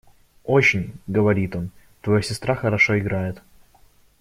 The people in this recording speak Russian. – «Очень, – говорит он, – твоя сестра хорошо играет.